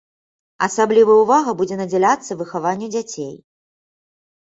Асаблівая ўвага будзе надзяляцца выхаванню дзяцей.